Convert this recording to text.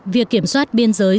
việc kiểm soát biên giới